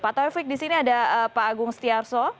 pak taufik di sini ada pak agung setiarso